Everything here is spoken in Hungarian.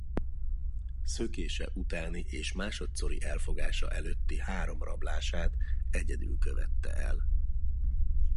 Szökése utáni és másodszori elfogása előtti három rablását egyedül követte el.